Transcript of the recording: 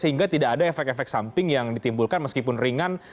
sehingga tidak ada efek efek samping yang ditimbulkan meskipun ringan